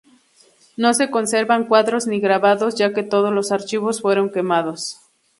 No se conservan cuadros ni grabados, ya que todos los archivos fueron quemados.